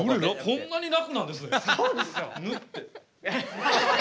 こんなに楽なんですね。